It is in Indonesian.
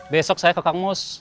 besok saya ke kang mus